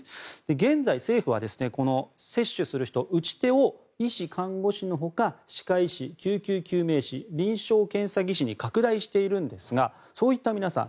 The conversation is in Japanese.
現在、政府はこの接種する人打ち手を医師・看護師のほか歯科医師、救急救命士臨床検査技師に拡大しているんですがそういった皆さん